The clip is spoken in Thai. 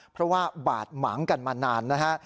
เพราะว่าบาดหมางกันมานานนะฮะ